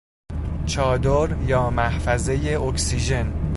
چادر یا محفظهی اکسیژن